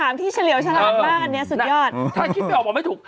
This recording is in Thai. ถามที่เฉลี่ยวเฉลามบ้านเนี้ยสุดยอดถ้าคิดไม่ออกว่าไม่ถูก